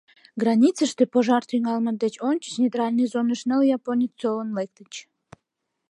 Границыште пожар тӱҥалме деч ончыч нейтральный зоныш ныл японец толын лектыч.